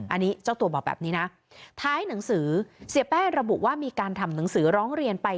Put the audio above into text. อันนี้เจ้าตัวบอกแบบนี้นะท้ายหนังสือเสียแป้งระบุว่ามีการทำหนังสือร้องเรียนไป